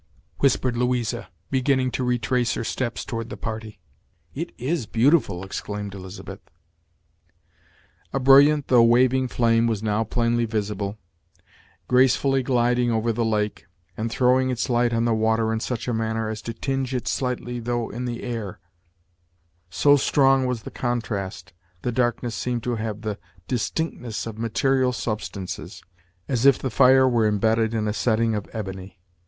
whispered Louisa, beginning to retrace her steps toward the party. "It is beautiful!" exclaimed Elizabeth, A brilliant though waving flame was now plainly visible, gracefully gliding over the lake, and throwing its light on the water in such a manner as to tinge it slightly though in the air, so strong was the contrast, the darkness seemed to have the distinctness of material substances, as if the fire were imbedded in a setting of ebony.